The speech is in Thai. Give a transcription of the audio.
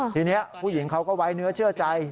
ทีนี้ผู้หญิงเขาก็ไว้เนื้อเชื่อใจ